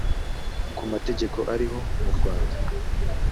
ku mategeko ariho mu rwanda